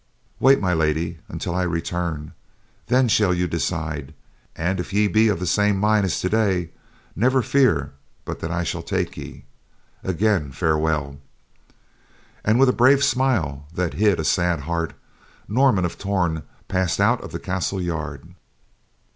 "Wait, my lady, until I return, then shall you decide, and if ye be of the same mind as today, never fear but that I shall take ye. Again, farewell." And with a brave smile that hid a sad heart, Norman of Torn passed out of the castle yard.